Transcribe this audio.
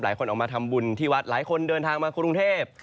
หลายคนออกมาทำบุญที่วัดหลายคนเดินทางมากรุงเทพ